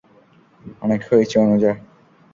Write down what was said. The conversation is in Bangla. অনেক হয়েছে, অনুযা।